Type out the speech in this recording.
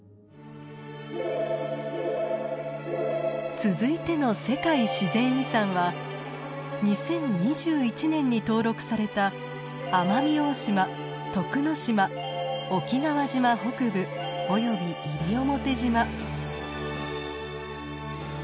続いての世界自然遺産は２０２１年に登録された奄美大島、徳之島、沖縄島北部及び西表島。